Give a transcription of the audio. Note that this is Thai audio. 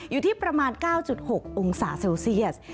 อยู่ที่ประมาณ๙๖องศาเซลเซียส